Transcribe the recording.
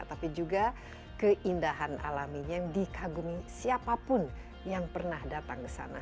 tapi juga keindahan alamin yang dikagumi siapapun yang pernah datang ke sana